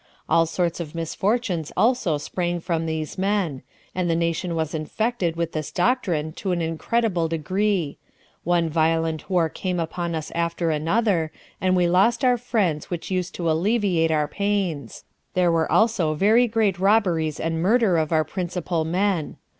All sorts of misfortunes also sprang from these men, and the nation was infected with this doctrine to an incredible degree; one violent war came upon us after another, and we lost our friends which used to alleviate our pains; there were also very great robberies and murder of our principal men.